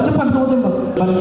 cepat kamu tembak